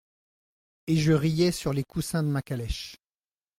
Et je riais sur les coussins de ma calèche.